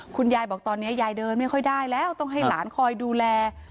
คุณยายบอกตอนนี้ยายเดินไม่ค่อยได้แล้วต้องให้หลานคอยดูแล